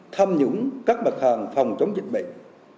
thâm nhũng các mặt hàng phòng chống dịch bệnh